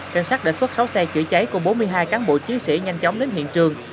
trinh sát đã xuất sáu xe chữa cháy cùng bốn mươi hai cán bộ chiến sĩ nhanh chóng đến hiện trường